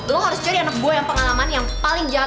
lo harus cari anak buah yang pengalaman yang paling jalan